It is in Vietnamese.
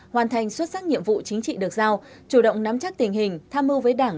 hoàn thành xuất sắc nhiệm vụ chính trị được giao chủ động nắm chắc tình hình tham mưu với đảng